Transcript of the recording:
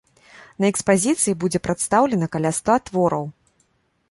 На экспазіцыі будзе прадстаўлена каля ста твораў.